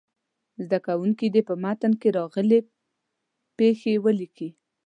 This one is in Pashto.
زده کوونکي دې په متن کې راغلې پيښې ولیکي.